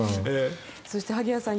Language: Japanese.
そして萩谷さん